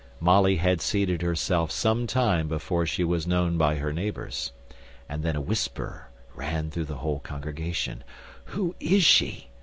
Molly had seated herself some time before she was known by her neighbours. And then a whisper ran through the whole congregation, "Who is she?"